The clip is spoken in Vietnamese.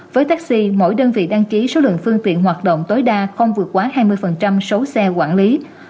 với taxi mỗi đơn vị đăng ký số lượng phương tiện hoạt động tối đa không vượt quá hai mươi số xe quản lý